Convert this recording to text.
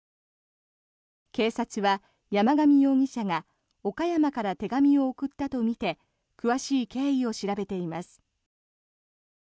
警察は、山上容疑者が岡山から手紙を送ったとみて詳しい経緯を調べています。